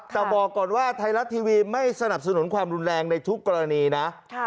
แต่บอกก่อนว่าไทยรัฐทีวีไม่สนับสนุนความรุนแรงในทุกกรณีนะ